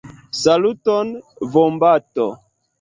Saluton, vombato!